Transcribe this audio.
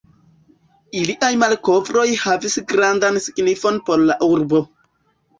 Iliaj malkovroj havis grandan signifon por la urbo.